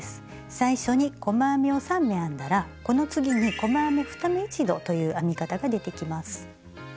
最初に細編みを３目編んだらこの次に「細編み２目一度」という編み方が出てきます。